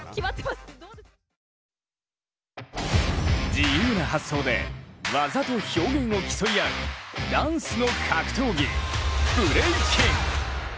自由な発想で技と表現を競い合うダンスの格闘技ブレイキン！